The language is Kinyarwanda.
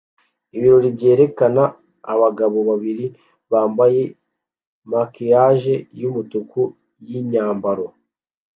Ibirori byerekana abagabo babiri bambaye maquillage yumutuku nimyambarire